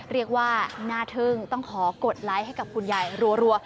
เรียกว่าหน้าทึ่งต้องขอกดไลค์ให้กับคุณยายรัว